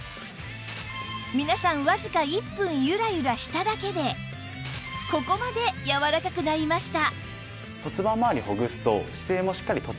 皆さんわずか１分ゆらゆらしただけでここまでやわらかくなりました